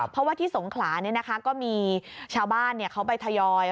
เพราะว่าที่สงขลาก็มีชาวบ้านเขาไปทยอย